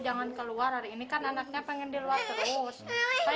jangan keluar hari ini kan anaknya pengen di luar terus